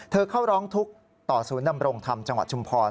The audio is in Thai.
เข้าร้องทุกข์ต่อศูนย์ดำรงธรรมจังหวัดชุมพร